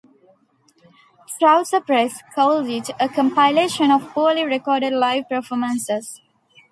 "Trouser Press" called it "a compilation of poorly-recorded live performances.